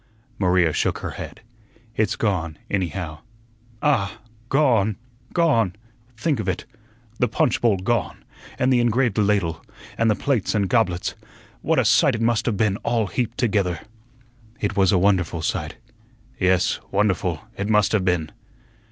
Maria shook her head. "It's gone, anyhow." "Ah, gone, gone! Think of it! The punch bowl gone, and the engraved ladle, and the plates and goblets. What a sight it must have been all heaped together!" "It was a wonderful sight." "Yes, wonderful; it must have been."